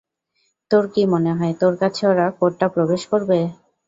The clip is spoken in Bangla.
তোর কি মনে হয় তোর কাছে ওরা কোডটা প্রকাশ করবে?